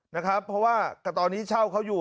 นะครับเพราะว่าตอนนี้เช่าเขาอยู่